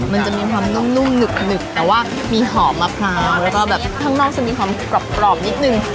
มันจะมีความนุ่มหนึบแต่ว่ามีหอมมะพร้าวแล้วก็แบบข้างนอกจะมีความกรอบนิดนึง